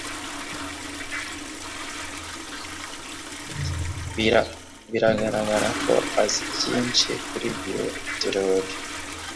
Biragaragara ko azi byinshi kuri biotechnologie.